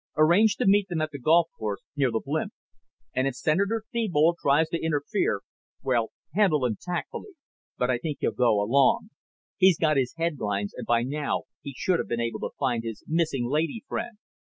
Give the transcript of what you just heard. Arrange to meet them at the golf course, near the blimp. And if Senator Thebold tries to interfere well, handle him tactfully. But I think he'll go along. He's got his headlines and by now he should have been able to find his missing lady friend.